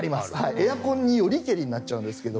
エアコンによりけりになっちゃうんですけど。